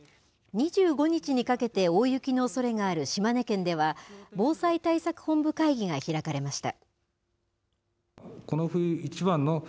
２５日にかけて大雪のおそれがある島根県では、防災対策本部会議が開かれました。